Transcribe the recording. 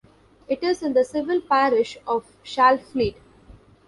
It is in the civil parish of Shalfleet.